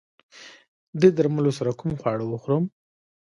دې درملو سره کوم خواړه وخورم؟